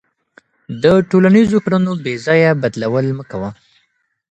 د ټولنیزو کړنو بېځایه بدلول مه کوه.